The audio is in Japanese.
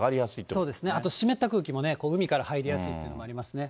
そうですね、あと湿った空気も海から入りやすいというのもありますね。